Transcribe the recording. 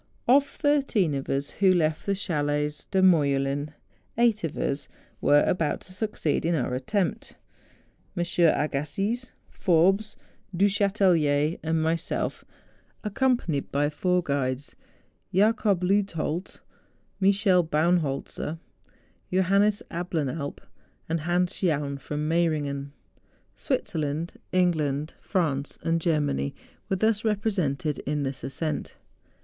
Of thirteen of us who left the chalets de Morjelen eight 76 MOUNTAIN ADVENTURES. of US were about to succeed in our attempt; MM. Agassiz, Forbes, Du Cbatelier, and myself,, accom¬ panied by four guides, Jacob Leutbold, Michel Baun holzer, Johannes Ablanalp, and Hans Jaun, from Meyringen. Switzerland, England, France, and Germany, were thus represented in this ascent.